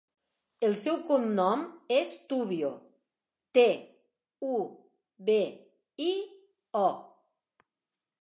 El seu cognom és Tubio: te, u, be, i, o.